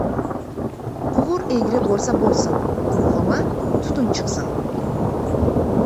• Quvur egri bo‘lsa bo‘lsin, muhimi, tutun chiqsin.